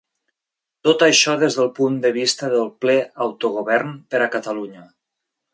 Tot això des del punt de vista del ple autogovern per a Catalunya.